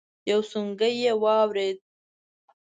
يو سونګی يې واورېد.